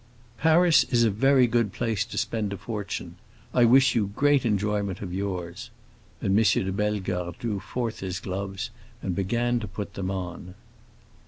"Paris is a very good place to spend a fortune. I wish you great enjoyment of yours." And M. de Bellegarde drew forth his gloves and began to put them on.